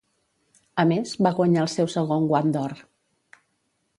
A més, va guanyar el seu segon Guant d'Or.